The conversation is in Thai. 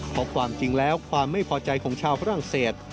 เพราะความจริงแล้วความไม่พอใจของชาวฝรั่งเศส